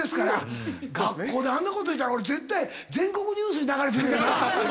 学校であんなこと言うたら俺絶対全国ニュースに流れてるよな。